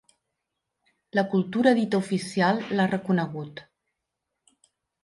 La cultura dita oficial l'ha reconegut.